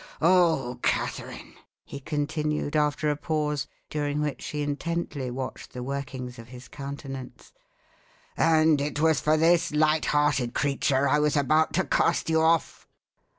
"Oh, Catherine!" he continued, after a pause, during which she intently watched the workings of his countenance, "and it was for this light hearted creature I was about to cast you off."